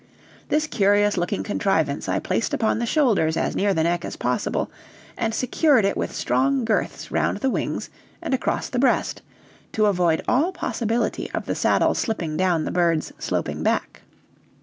This curious looking contrivance I placed upon the shoulders as near the neck as possible, and secured it with strong girths round the wings and across the breast, to avoid all possibility of the saddle slipping down the bird's sloping back.